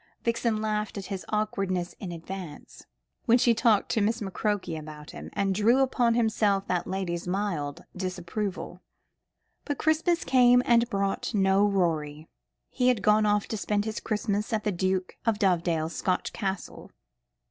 Vixen laughed at his awkwardness in advance, when she talked to Miss McCroke about him, and drew upon herself that lady's mild reproval. But Christmas came and brought no Rorie. He had gone off to spend his Christmas at the Duke of Dovedale's Scotch castle.